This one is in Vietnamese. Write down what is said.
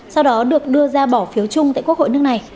sau đó được đưa ra bỏ phiếu chung tại quốc hội nước này